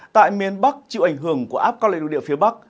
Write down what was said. tại miền bắc chịu ảnh hưởng của áp cao lây lưu địa phía bắc